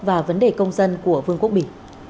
và vấn đề công dân của vương quốc mỹ